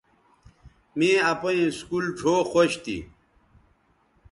می اپئیں اسکول ڙھؤ خوش تھی